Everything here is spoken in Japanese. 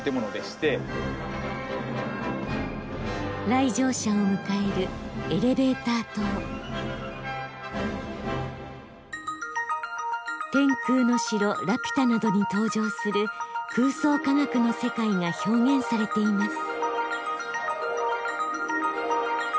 来場者を迎える「天空の城ラピュタ」などに登場する空想科学の世界が表現されています。